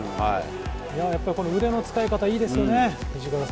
やっぱり腕の使い方、いいですよね、肘から先。